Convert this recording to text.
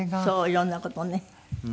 色んな事をね。